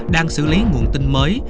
đang xử lý nguồn tin mới